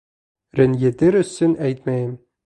Рәнйетер өсөн әйтмәйем.